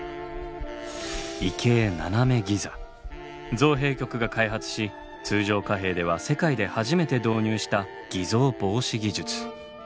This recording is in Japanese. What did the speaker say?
造幣局が開発し通常貨幣では世界で初めて導入した偽造防止技術。